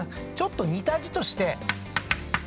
ちょっと似た字として。